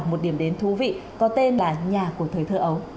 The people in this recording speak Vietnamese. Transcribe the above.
một điểm đến thú vị có tên là nhà của thời thơ ấu